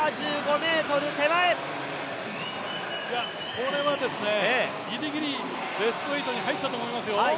これはギリギリベスト８に入ったと思いますよ。